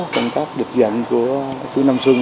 công tác địch dận của chú nam xuân